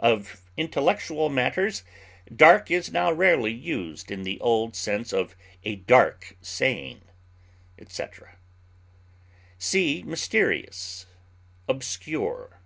Of intellectual matters, dark is now rarely used in the old sense of a dark saying, etc. See MYSTERIOUS; OBSCURE.